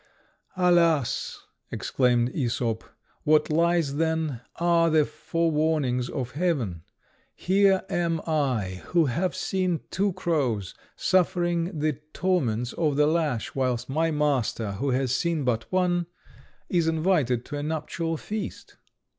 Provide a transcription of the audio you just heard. "Alas!" exclaimed Æsop, "what lies, then, are the forewarnings of heaven! Here am I, who have seen two crows, suffering the torments of the lash, whilst my master, who has seen but one, is invited to a nuptial feast."